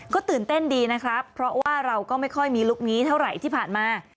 ก็ตื่นเต้นดีนะครับเพราะว่าเราก็ไม่ค่อยมีลุคนี้เท่าไหร่ที่ผ่านมา